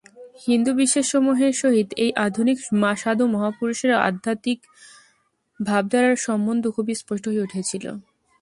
হিন্দু বিশ্বাসসমূহের সহিত এই আধুনিক সাধু মহাপুরুষের আধ্যাত্মিক ভাবধারার সম্বন্ধ খুবই স্পষ্ট হইয়া উঠিয়াছিল।